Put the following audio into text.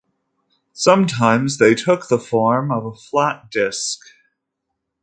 Sometimes they took the form of a flat disk.